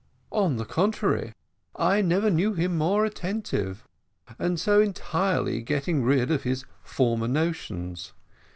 "On the contrary, I never knew him more attentive and so entirely getting rid of his former notions.